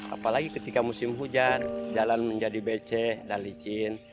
apalagi ketika musim hujan jalan menjadi beceh dan licin